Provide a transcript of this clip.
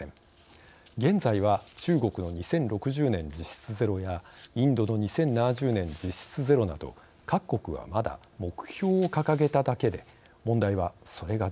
現在は中国の２０６０年実質ゼロやインドの２０７０年実質ゼロなど各国はまだ目標を掲げただけで問題はそれが実現できるかです。